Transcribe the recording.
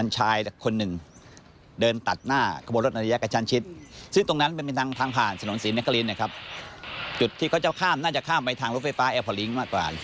จุดที่เขาจะข้ามน่าจะข้ามไปทางรถไฟฟ้าแอร์พอลิงค์มากกว่า